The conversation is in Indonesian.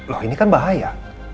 loh ini kan bahaya